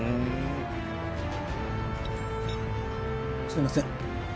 すいません